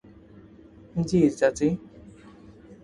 জি, চাচি।